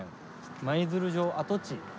舞鶴城跡地。